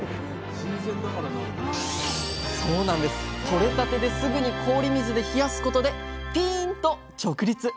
とれたてですぐに氷水で冷やすことでピーンと直立！